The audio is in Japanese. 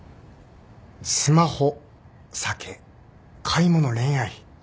スマホ酒買い物恋愛。